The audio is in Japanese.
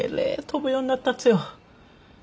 飛ぶようになったとよ。